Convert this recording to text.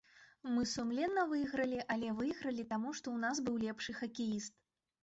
Мы сумленна выйгралі, але выйгралі, таму што ў нас быў лепшы хакеіст.